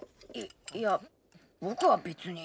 いいや僕は別に。